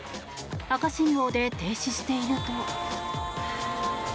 赤信号で停止していると。